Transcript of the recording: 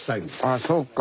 あそうか。